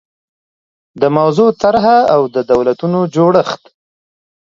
د موضوع طرحه او د دولتونو جوړښت